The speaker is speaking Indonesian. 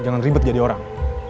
jangan ribet jadi orang